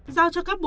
giao cho các bộ